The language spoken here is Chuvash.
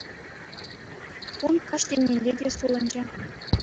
Кун каҫ еннелле те сулӑнчӗ.